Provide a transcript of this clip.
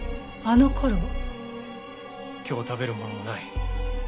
今日食べるものもない。